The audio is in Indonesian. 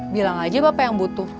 bilang aja bapak yang butuh